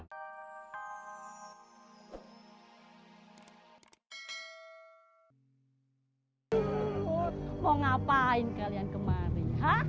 mau ngapain kalian kemari